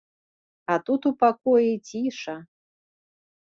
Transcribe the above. А тут у пакоі ціша.